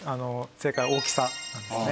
正解は大きさなんですね。